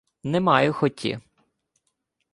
— Не маю хоті.